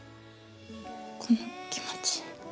この気持ち。